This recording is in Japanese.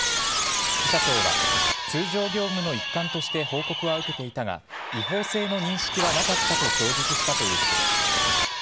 副社長は、通常業務の一環として報告は受けていたが違法性の認識はなかったと供述したということです。